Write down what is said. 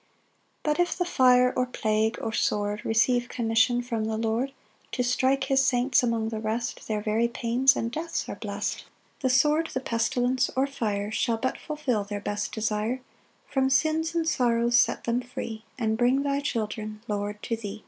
9 But if the fire, or plague, or sword, Receive commission from the Lord To strike his saints among the rest, Their very pains and deaths are blest. 10 The sword, the pestilence or fire Shall but fulfil their best desire, From sins and sorrows set them free, And bring thy children, Lord, to thee.